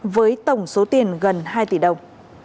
với tổng số tiền gần hai tỷ đồng